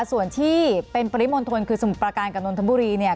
ส่วนที่เป็นปริมนต์โทนคือสมุทรประการกับนทบุรี